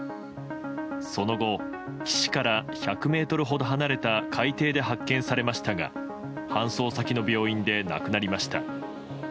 その後、岸から１００ｍほど離れた海底で発見されましたが搬送先の病院で亡くなりました。